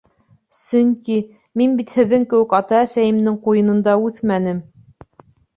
Сөнки... мин бит һеҙҙең кеүек ата-әсәйемдең ҡуйынында үҫмәнем.